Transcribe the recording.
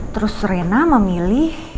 terus rena memilih